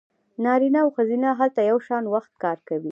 نارینه او ښځینه هلته یو شان وخت کار کوي